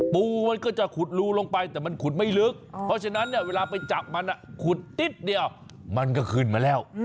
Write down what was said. ปูมันก็จะขุดรูลงไปแต่มันขุดไม่ลึกเพราะฉะนั้นเนี่ยเวลาไปจับมันขุดนิดเดียวมันก็ขึ้นมาแล้ว